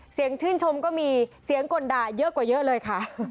ชื่นชมก็มีเสียงกลด่าเยอะกว่าเยอะเลยค่ะ